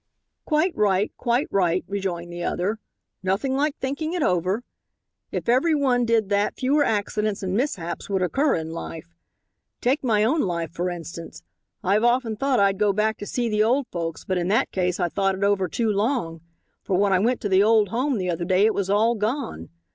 "Quite right, quite right," rejoined the other, "nothing like thinking it over. If every one did that fewer accidents and mishaps would occur in life. Take my own life, for instance. I've often thought I'd go back to see the old folks, but in that case I thought it over too long, for when I went to the old home the other day it was all gone.